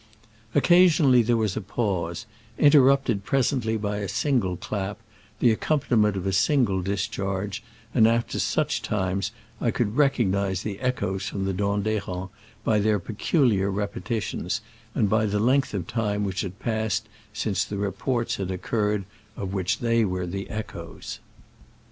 Occasionally there was a pause, interrupted present ly by a single clap, the accompaniment of a single discharge, and after such times I could recognize the echoes from the Dent d'H6rens by their peculiar repetitions, and by the length of time which had passed since the reports had occurred of which they were the echoes.